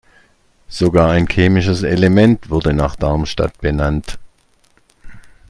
Sogar ein chemisches Element wurde nach Darmstadt benannt.